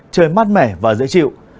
trời mát mẻ và dễ chịu